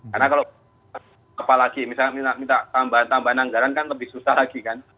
karena kalau apalagi misalnya minta tambahan tambahan anggaran kan lebih susah lagi kan